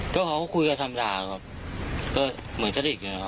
ก็เขาก็คุยกันธรรมดาครับก็เหมือนสนิทนะครับ